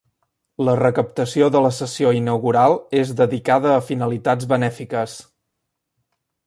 La recaptació de la sessió inaugural és dedicada a finalitats benèfiques.